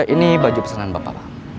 ini baju pesanan bapak